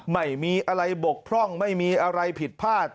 ไม่มีอะไรบกพร่องไม่มีอะไรผิดพลาด